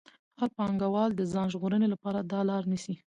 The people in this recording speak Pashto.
هر پانګوال د ځان ژغورنې لپاره دا لار نیسي